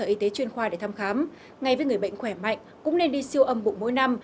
y tế chuyên khoa để thăm khám ngay với người bệnh khỏe mạnh cũng nên đi siêu âm bụng mỗi năm